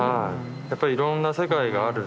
やっぱりいろんな世界がある。